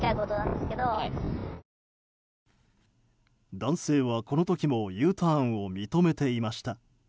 男性は、この時もＵターンを認めていました。